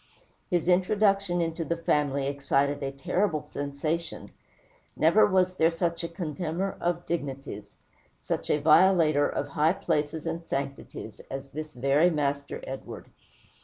His introduction into the family excited a terrible sensation. Never was there such a contemner of dignities, such a violator of high places and sanctities, as this very Master Edward.